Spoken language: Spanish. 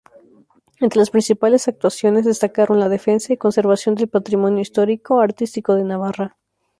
Entre las principales actuaciones, destacaron la defensa y conservación del patrimonio histórico-artístico de Navarra.